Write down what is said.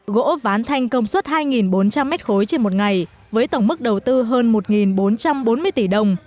gỗ ván thanh công suất hai bốn trăm linh m ba trên một ngày với tổng mức đầu tư hơn một bốn trăm bốn mươi tỷ đồng